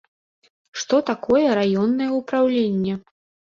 Што такое раённае ўпраўленне?